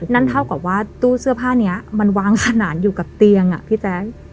นั่นเท่ากับว่าตู้เสื้อผ้านี้มันวางขนาดอยู่กับเตียงอ่ะพี่แจ๊ค